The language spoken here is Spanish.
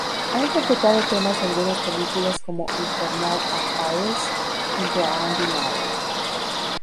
Ha interpretado temas de algunas películas, como "Infernal Affairs" junto a Andy Lau.